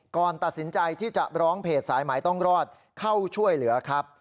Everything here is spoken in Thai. ก่อนตัดสินใจที่จะร้องเพจสายหมายต้องรอดเข้าช่วยเหลือครับ